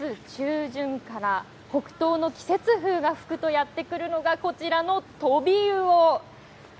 ９月中旬から北東の季節風が吹くとやって来るのが、こちらのトビウオ。